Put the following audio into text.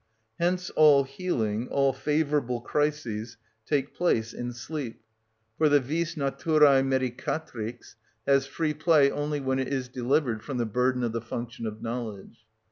Hence all healing, all favourable crises, take place in sleep; for the vis naturæ medicatrix has free play only when it is delivered from the burden of the function of knowledge.